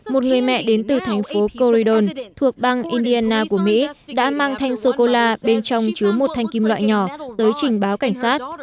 một người mẹ đến từ thành phố corridor thuộc bang indiana của mỹ đã mang thanh sô cô la bên trong chứa một thanh kim loại nhỏ tới trình báo cảnh sát